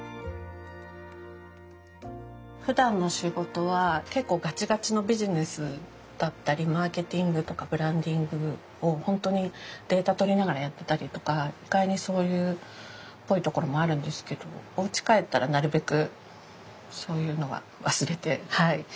ふだんの仕事は結構ガチガチのビジネスだったりマーケティングとかブランディングをほんとにデータ取りながらやってたりとか意外にそういうっぽいところもあるんですけどおうち帰ったらなるべくそういうのは忘れてはい。